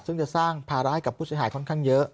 ซึ่งจะสร้างภาระให้กับผู้เสียหายค่อนข้างเยอะ